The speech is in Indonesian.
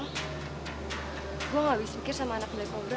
gue gak abis mikir sama anak black cobra